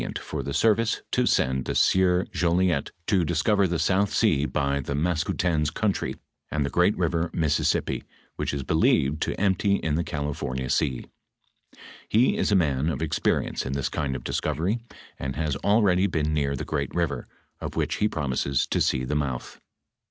I ■ I •■■ i /i, ••• XXVUl HIBTOBT OF THE mSCOVEBT '^iia for the service to send the sieur Jolliet to discover the sonth sea by the Maskoutens country, and the great river Missis sippi, which is believed to empty in the California sea. He is a man of experience in this kind of discovery, and has al ready been near the great river, of which he promises to see the mouth."